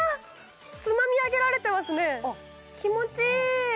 つまみあげられてますね気持ちいい！